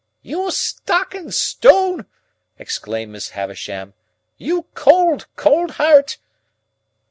"You stock and stone!" exclaimed Miss Havisham. "You cold, cold heart!"